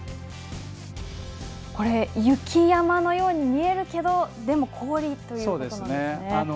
雪山のように見えるけどでも、氷ということなんですね。